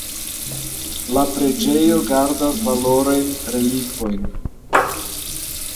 La preĝejo gardas valorajn relikvojn.